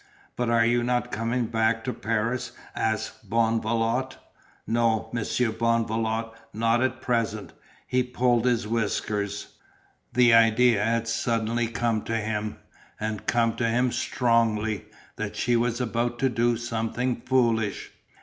"But are you not coming back to Paris?" asked Bonvalot. "No, Monsieur Bonvalot, not at present!" He pulled his whiskers. The idea had suddenly come to him, and come to him strongly, that she was about to do "something foolish."